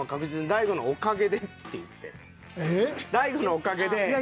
「大悟のおかげで」。